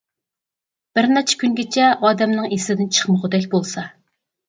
بىر نەچچە كۈنگىچە ئادەمنىڭ ئىسىدىن چىقمىغۇدەك بولسا.